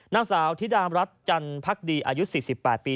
นางสาวธิดามรัฐจันพักดีอายุ๔๘ปี